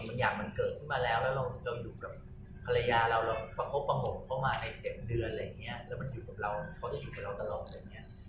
ในชีวิตที่เรารู้ว่าคือบางสิ่งมันเหลือกระโลกเกิดมาแล้ว